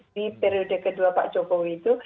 di periode ke dua pak jokowi itu